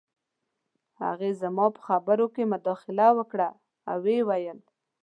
هغې زما په خبرو کې مداخله وکړه او وویې ویل